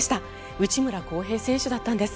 内村航平選手だったんです。